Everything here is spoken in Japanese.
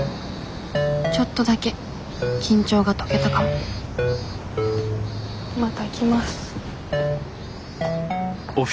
ちょっとだけ緊張が解けたかもまた来ます。